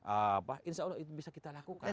apa insya allah itu bisa kita lakukan